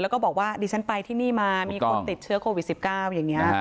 แล้วก็บอกว่าดิฉันไปที่นี่มามีคนติดเชื้อโควิด๑๙อย่างนี้